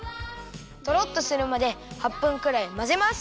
とろっとするまで８分くらいまぜます。